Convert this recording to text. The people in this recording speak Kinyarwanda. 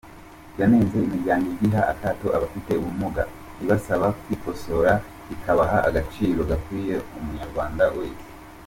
Yanenze imiryango igiha akato abafite ubumuga ibasaba kwikosora ikabaha agaciro gakwiye Umunyarwanda wese.